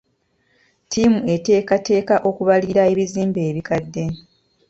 Ttiimu eteekateeka okubalirira ebizimbe ebikadde.